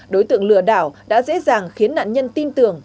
đối tượng lừa đảo đã dễ dàng khiến nạn nhân tin tưởng